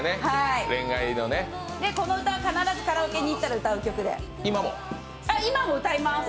この歌は必ずカラオケに行ったら歌う曲で、今も歌います。